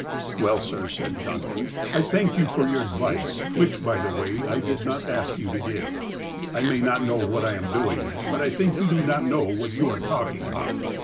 '^ Well, sir," said Duncan, '^I thank you for your ad vice, which, by the way, I did not ask you to give. 1 may not know what I am doing. But I think you do not know what you are talking about.